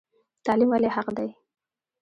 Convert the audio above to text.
تعلیم ولې حق دی؟